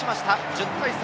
１０対３。